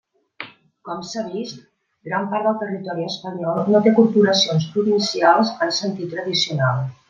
Com s'ha vist, gran part del territori espanyol no té corporacions provincials en sentit tradicional.